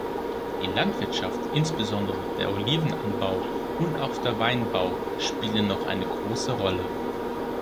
Die Landwirtschaft, insbesondere der Olivenanbau und auch der Weinbau spielen noch eine große Rolle.